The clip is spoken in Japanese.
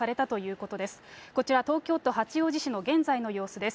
こちら、東京都八王子市の現在の様子です。